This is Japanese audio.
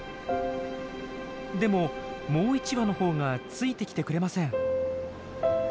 でももう１羽のほうがついてきてくれません。